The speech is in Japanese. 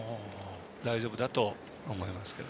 大丈夫だと思いますけど。